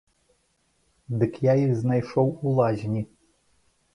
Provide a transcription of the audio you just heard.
Дык я іх знайшоў у лазні.